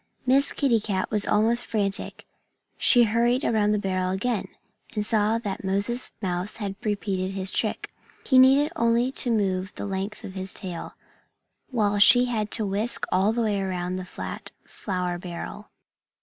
Miss Kitty Cat was almost frantic. She hurried around the barrel again, and saw that Moses Mouse had repeated his trick. He needed only to move the length of his tail, while she had to whisk all the way around the fat flour barrel.